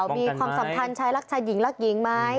มีความสัมพันธ์ชายรักชายหญิงรักหญิงไหม